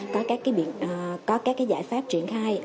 có các cái giải pháp triển khai